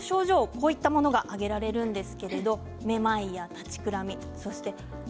こういったものが挙げられます。